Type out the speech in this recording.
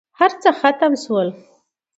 هرڅه ختم شول.